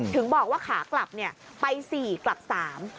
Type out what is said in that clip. ถึงบอกว่าขากลับเนี่ยไปสี่กลับสาม